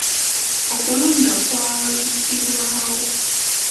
Okulonda kwalwisibwawo.